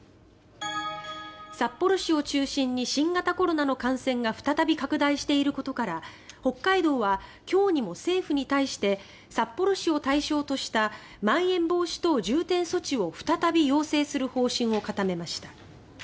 札幌市を中心に新型コロナの感染が再び拡大していることから北海道は今日にも政府に対して札幌市を対象としたまん延防止等重点措置を再び要請する方針を固めました。